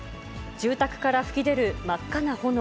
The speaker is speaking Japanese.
住宅から噴き出る真っ赤な炎。